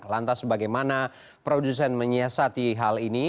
lantas bagaimana produsen menyiasati hal ini